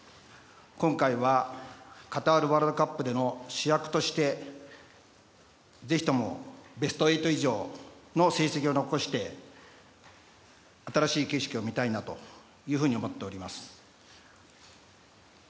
今回はカタールワールドカップでの主役としてぜひともベスト８以上の成績を残して新しい景色を見たいなというふうに思っております。